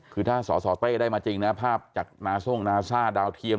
คือถ้าสสเต้ได้มาจริงนะภาพจากนาโซ่งนาซ่าดาวเทียม